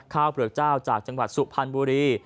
เปลือกเจ้าจากจังหวัดสุพรรณบุรี